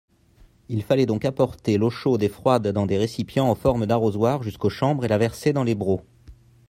Il fallait donc apporter l’eau chaude et froide dans des récipients en forme d’arrosoir jusqu’aux chambres et la verser dans les brocs.